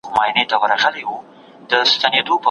د بېوزلانو په خوله سوې خاوري